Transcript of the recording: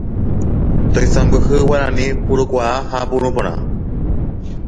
Toisãmbyhy Guarani purukuaa ha puru porã.